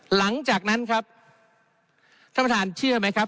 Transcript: หลังจากนั้นครับท่านประธานเชื่อไหมครับ